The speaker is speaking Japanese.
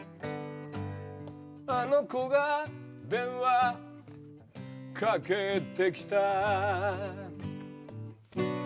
「あの娘が電話かけてきた」